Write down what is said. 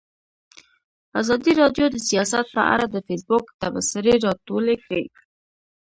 ازادي راډیو د سیاست په اړه د فیسبوک تبصرې راټولې کړي.